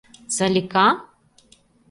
Са-ли-ка?